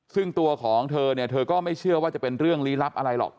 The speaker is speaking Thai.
ซึ่งตัวของเธอเนี่ยเธอก็ไม่เชื่อว่าจะเป็นเรื่องลี้ลับอะไรหรอก